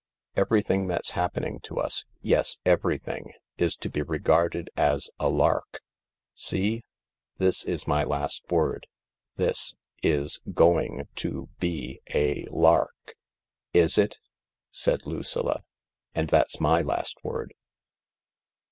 Everything that's happening to us — yes, everything — is to be regarded as a lark. See ? This is my last word. This. Is, Going. To. Be. A. Lark." " Is it ?" said Lucilla. " And that's my last word."